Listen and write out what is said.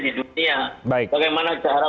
di dunia bagaimana cara